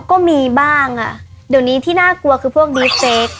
ก็มีบ้างอ่ะเดี๋ยวนี้ที่น่ากลัวคือพวกดีเซ็ก